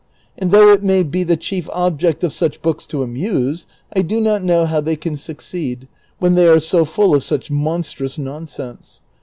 And though it may be the chief object of such books to amuse, I do not know how they can succeed, when they are so full of such monstrous nonsense.